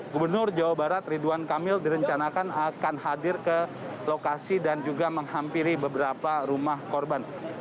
gubernur jawa barat ridwan kamil direncanakan akan hadir ke lokasi dan juga menghampiri beberapa rumah korban